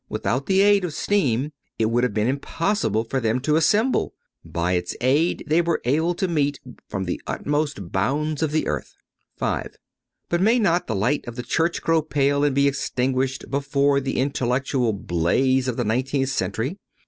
Without the aid of steam it would have been almost impossible for them to assemble; by its aid they were able to meet from the uttermost bounds of the earth. V. But may not the light of the Church grow pale and be extinguished before the intellectual blaze of the nineteenth century?